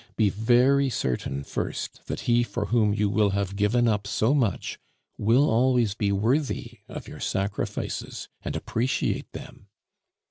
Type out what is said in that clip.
Be very certain first that he for whom you will have given up so much will always be worthy of your sacrifices and appreciate them.